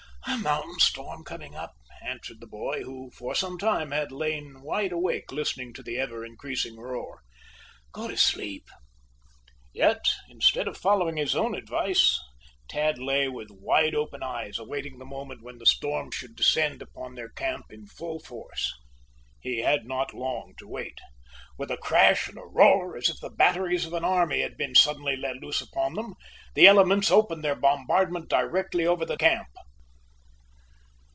"A mountain storm coming up," answered the boy, who for some time had lain wide awake listening to the ever increasing roar. "Go to sleep." Yet, instead of following his own advice, Tad lay with wide open eyes awaiting the moment when the storm should descend upon their camp in full force. He had not long to wait. With a crash and a roar, as if the batteries of an army had been suddenly let loose upon them, the elements opened their bombardment directly over the camp.